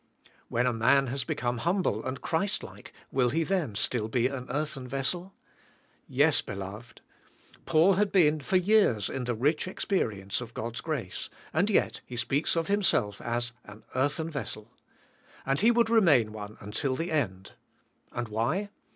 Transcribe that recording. When a man has become humble and Christ like, will he then still be an earthen vessel ? Yes, beloved. Paul had been for years in the rich experience of God's grace, and yet he speaks of himself as an earthen vessel. And he would re main one until the end, and why?